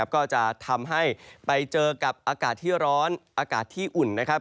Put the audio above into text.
ก็จะทำให้ไปเจอกับอากาศที่ร้อนอากาศที่อุ่นนะครับ